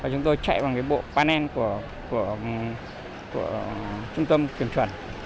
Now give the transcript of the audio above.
chúng tôi chạy bằng bộ panel của trung tâm kiểm chuẩn